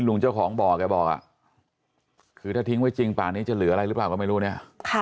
ลุงเจ้าของบ่อแกบอกคือถ้าทิ้งไว้จริงป่านี้จะเหลืออะไรหรือเปล่าก็ไม่รู้เนี่ย